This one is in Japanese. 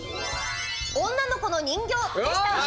女の子の人形でした。